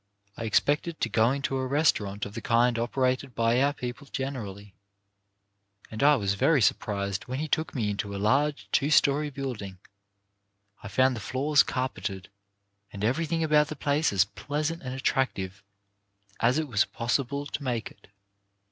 I expected WHAT IS TO BE OUR FUTURE? 171 to go into a restaurant of the kind operated by our people generally, and I was very much sur prised when he took me into a large, two story building. I found the floors carpeted, and every thing about the place as pleasant and attractive as it was possible to make it.